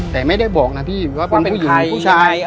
แต่ไม่ได้บอกนะพี่ว่าเป็นผู้ชาย